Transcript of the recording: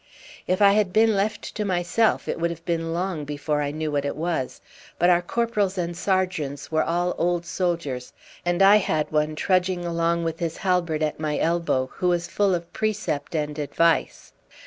If I had been left to myself it would have been long before I knew what it was; but our corporals and sergeants were all old soldiers, and I had one trudging along with his halbert at my elbow, who was full of precept and advice.